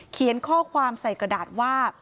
เขียนข้อความใส่กระดาษว่า